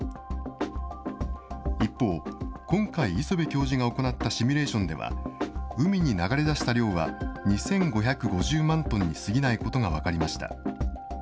一方、今回、磯辺教授が行ったシミュレーションでは、海に流れ出した量は２５５０万トンに過ぎないことが分かりました。